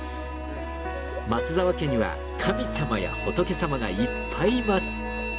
松澤家には神様や仏様がいっぱいいます。